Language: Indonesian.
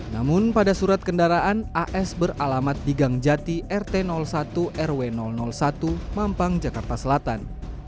namun pada surat kendaraan as beralamat di gangjati rt satu rw satu mampang jakarta selatan